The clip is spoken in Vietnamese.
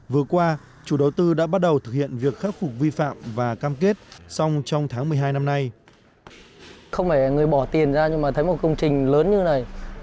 vừa qua chủ đầu tư đã bắt đầu thực hiện việc khắc phục vi phạm và cam kết xong trong tháng một mươi hai năm nay